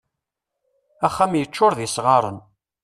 Axxam yeččur d isɣaren.